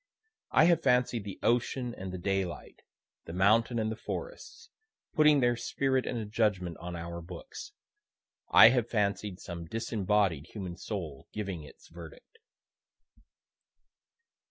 I have fancied the ocean and the daylight, the mountain and the forest, putting their spirit in a judgment on our books. I have fancied some disembodied human soul giving its verdict.)